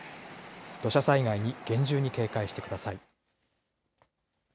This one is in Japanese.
土砂災害に厳重に警戒してください。